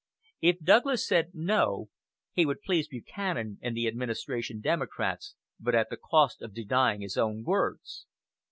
If Douglas said, "No," he would please Buchanan and the administration Democrats, but at the cost of denying his own words.